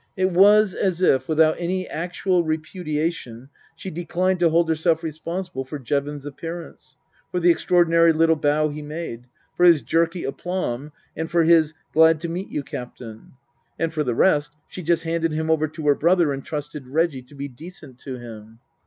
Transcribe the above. It was as if, without any actual repudiation, she declined to hold herself responsible for Jevons' appearance; for the extraordinary little bow he made ; for his jerky aplomb and for his " Glad to meet you, Captain." And for the the rest, she just handed him over to her brother and trusted Reggie to be decent to him.